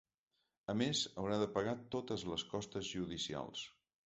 A més, haurà de pagar totes les costes judicials.